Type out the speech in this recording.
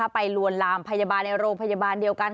ลวนลามพยาบาลในโรงพยาบาลเดียวกัน